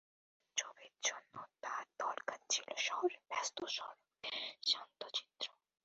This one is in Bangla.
কারণ ছবির জন্য তাঁর দরকার ছিল শহরের ব্যস্ত সড়কের শান্ত চিত্র।